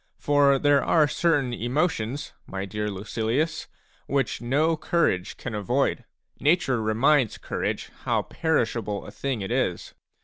For there are certain emotions, my dear Lucilius, which no courage can avoid; nature reminds courage how perishable a thing it is.